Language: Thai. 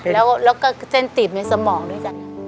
แล้วก็เส้นตีบในสมองด้วยจ้ะ